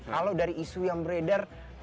kalau dari isu yang beredar